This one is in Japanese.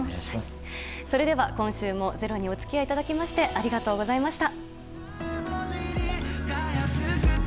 それでは、今週も「ｚｅｒｏ」にお付き合いいただきありがとうございました。